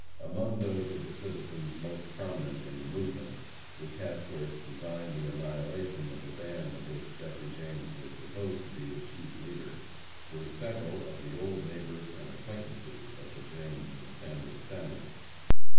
Among those of the citizens most prominent in the movement which had for its design the annihilation of the band of which Jesse James was supposed to be the chief leader, were several of the old neighbors and acquaintances of the James and Samuels families.